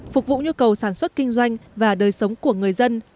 phục vụ nhu cầu sản xuất kinh doanh và đời sống của người dân